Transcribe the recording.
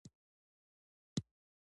ایا زه باید باور وکړم؟